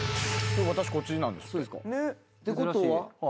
私こっちなんです。